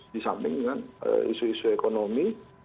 di samping dengan isu isu ekonomi